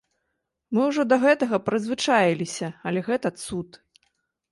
Мы ўжо да гэтага прызвычаіліся, але гэта цуд!